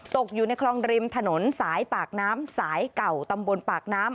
ตกอยู่ในคลองริมถนนสายปากน้ำสายเก่าตำบลปากน้ำ